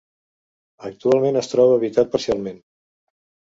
Actualment es troba habitat parcialment.